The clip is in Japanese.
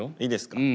いいですか？